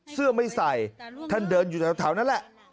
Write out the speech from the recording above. เสื้อไม่ใส่ท่านเดินอยู่แถวนั้นแหละ